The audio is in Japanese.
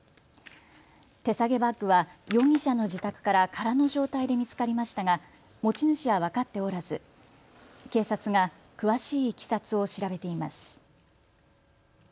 手提げバッグは容疑者の自宅から空の状態で見つかりましたが持ち主は分かっておらず警察が詳しいいきさつを調べています。